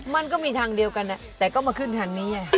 มาเจ็บเมี่ยงต้องขึ้นดอย